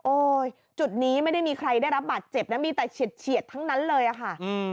จุดนี้ไม่ได้มีใครได้รับบาดเจ็บนะมีแต่เฉียดทั้งนั้นเลยอะค่ะ